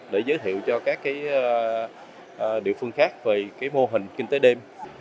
để giới thiệu cho các cái địa phương khác về cái mô hình kinh tế đêm